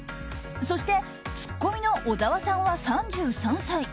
そしてツッコミの小澤さんは３３歳。